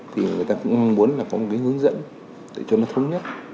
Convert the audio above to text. thì người ta cũng muốn là có một cái hướng dẫn để cho nó thống nhất